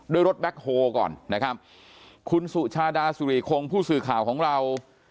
ด้วยรถแบ็คโฮก่อนนะครับคุณสุชาดาสุริคงผู้สื่อข่าวของเรา